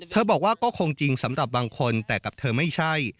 บอกว่าก็คงจริงสำหรับบางคนแต่กับเธอไม่ใช่